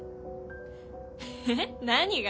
えっ何が？